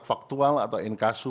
faktual atau inkasu